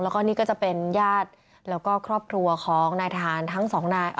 แล้วก็นี่ก็จะเป็นญาติแล้วก็ครอบครัวของนายทหารทั้งสองนาย